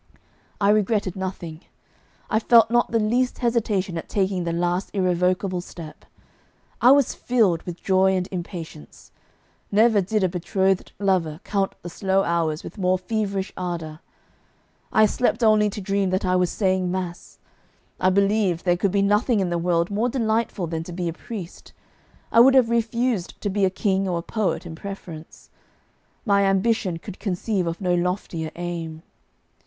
I regretted nothing; I felt not the least hesitation at taking the last irrevocable step; I was filled with joy and impatience. Never did a betrothed lover count the slow hours with more feverish ardour; I slept only to dream that I was saying mass; I believed there could be nothing in the world more delightful than to be a priest; I would have refused to be a king or a poet in preference. My ambition could conceive of no loftier aim.